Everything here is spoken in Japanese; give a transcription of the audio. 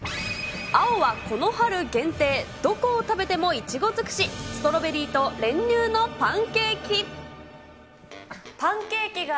青はこの春限定、どこを食べてもいちご尽くし、ストロベリーと練乳のパンケーキ。